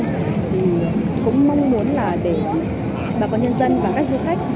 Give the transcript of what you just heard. và cũng mong muốn là để bà con nhân dân và các du khách